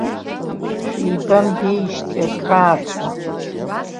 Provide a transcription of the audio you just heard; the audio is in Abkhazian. Шәеибамбеижьҭеи акрааҵуан.